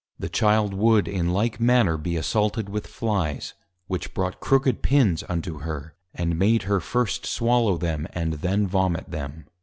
_ The Child would in like manner be assaulted with Flies, which brought Crooked Pins, unto her, and made her first swallow them, and then Vomit them.